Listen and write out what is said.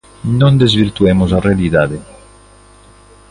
Non desvirtuemos a realidade.